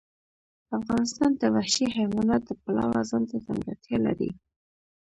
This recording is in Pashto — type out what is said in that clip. افغانستان د وحشي حیوانات د پلوه ځانته ځانګړتیا لري.